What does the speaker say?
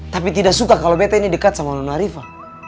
tapi tidak suka kalau beto ini dekat sama nona riva